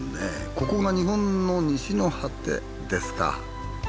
ここが日本の西の果てですか。